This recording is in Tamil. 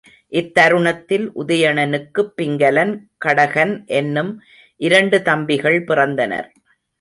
இத்தருணத்தில் உதயணனுக்குப் பிங்கலன், கடகன் என்னும் இரண்டு தம்பிகள் பிறந்தனர்.